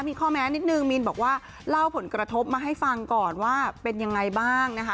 มีข้อแม้นิดนึงมีนบอกว่าเล่าผลกระทบมาให้ฟังก่อนว่าเป็นยังไงบ้างนะคะ